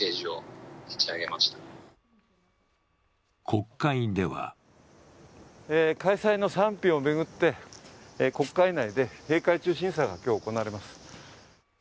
国会では開催の賛否を巡って、国会内で閉会中審査が今日行われます。